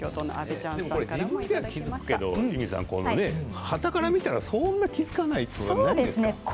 自分のは気付くけどはたから見たらそんなに気付かないですよね。